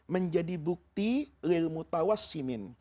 menjadi bukti lil mutawassimin